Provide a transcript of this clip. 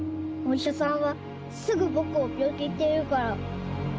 お医者さんはすぐ僕を病気って言うから。